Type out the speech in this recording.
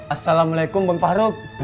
assalamualaikum bang farouk